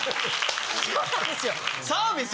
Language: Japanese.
そうなんですよ。